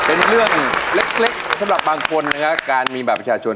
เป็นเรื่องเล็กสำหรับบางคนนะครับการมีบัตรประชาชน